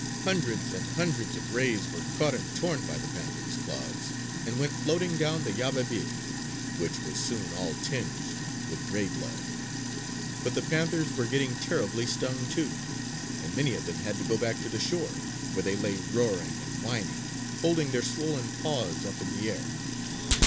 Hundreds and hundreds of rays were caught and torn by the panthers' claws, and went floating down the Yabebirì, which was soon all tinged with ray blood. But the panthers were getting terribly stung, too; and many of them had to go back to the shore, where they lay roaring and whining, holding their swollen paws up in the air.